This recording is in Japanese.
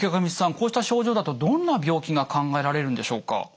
こうした症状だとどんな病気が考えられるんでしょうか？